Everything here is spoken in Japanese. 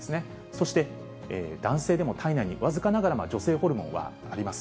そして、男性でも体内に僅かながら女性ホルモンはあります。